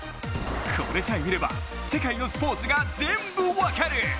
これさえ見れば世界のスポーツが全部分かる！